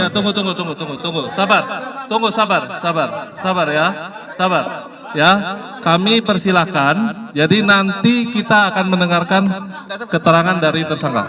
tunggu tunggu tunggu sabar sabar sabar ya kami persilahkan jadi nanti kita akan mendengarkan keterangan dari tersangka